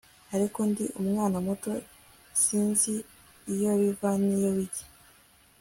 ariko ndi umwana muto; sinzi iyo biva n'iyo bijya